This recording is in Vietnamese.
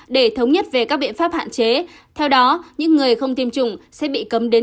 để thống nhất về các biện pháp hạn chế theo đó những người không tiêm chủng sẽ bị cấm đến